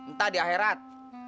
ntah di akhirat